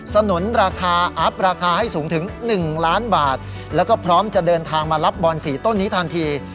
สนุนราคาอัพราคาให้สูงถึง๑ล้านบาทแล้วก็พร้อมจะเดินทางมารับบอน๔ต้นนี้ทันที